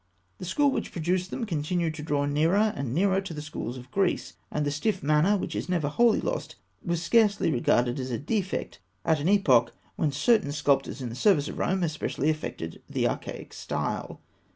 The school which produced them continued to draw nearer and nearer to the schools of Greece, and the stiff manner, which it never wholly lost, was scarcely regarded as a defect at an epoch when certain sculptors in the service of Rome especially affected the archaic style.